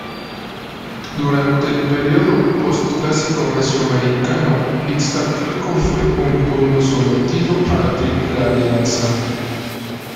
Durante el período posclásico mesoamericano, Iztacalco fue un pueblo sometido a la Triple alianza.